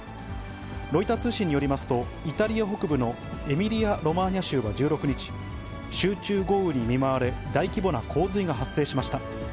ロイター通信によりますと、イタリア北部のエミリア・ロマーニャ州は１６日、集中豪雨に見舞われ、大規模な洪水が発生しました。